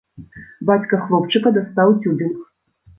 Бацька хлопчыка дастаў цюбінг.